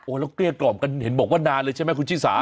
แล้วเกลี้ยกล่อมกันเห็นบอกว่านานเลยใช่ไหมคุณชิสา